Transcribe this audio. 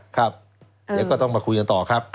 ครับเดี๋ยวก็ต้องมาคุยกันต่อครับ